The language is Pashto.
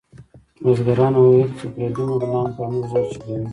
بزګرانو ویل چې پردي مغولیان پر موږ زور چلوي.